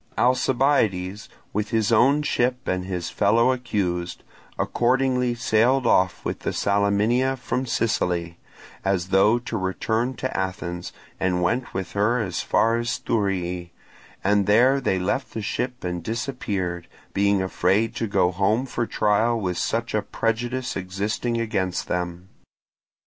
Alcibiades, with his own ship and his fellow accused, accordingly sailed off with the Salaminia from Sicily, as though to return to Athens, and went with her as far as Thurii, and there they left the ship and disappeared, being afraid to go home for trial with such a prejudice existing against them.